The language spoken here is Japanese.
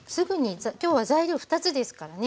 今日は材料２つですからね。